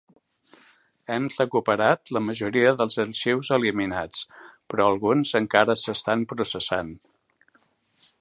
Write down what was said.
Hem recuperat la majoria dels arxius eliminats, però alguns encara s'estan processant.